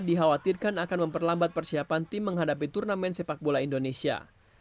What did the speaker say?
dikhawatirkan akan memperlambat persiapan tim menghadapi turnamen sepak bola indonesia